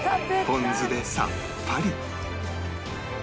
ポン酢でさっぱり